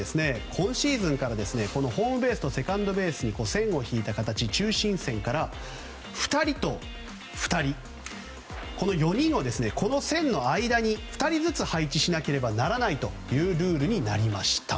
今シーズンからホームベースとセカンドベースに線を引いた形、中心線から２人と２人、この４人をこの線の間に２人ずつ配置しなければならないというルールになりました。